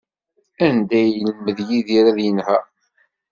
Anda ay yelmed Yidir ad yenheṛ?